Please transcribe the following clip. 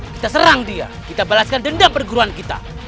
kita serang dia kita balaskan denda perguruan kita